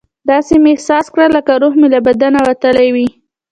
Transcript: داسې مې احساس کړه لکه روح مې له بدنه وتلی وي.